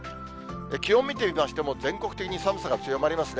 気温見てみましても、全国的に寒さが強まりますね。